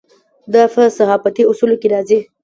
دا په صحافتي اصولو کې راځي.